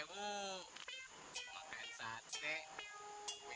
lho matanyastar nih itu